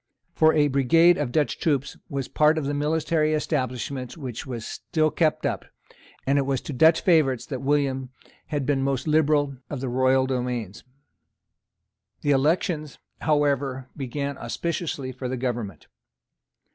For a brigade of Dutch troops was part of the military establishment which was still kept up; and it was to Dutch favourites that William had been most liberal of the royal domains. The elections, however, began auspiciously for the government.